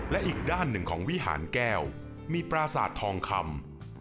และอีกด้านหนึ่งของวิหารแก้วมีปราสาททองคำ